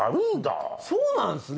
そうなんすね。